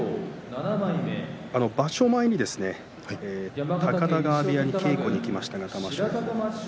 場所前に高田川部屋に稽古に行きました、玉正鳳。